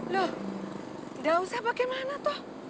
loh gak usah bagaimana toh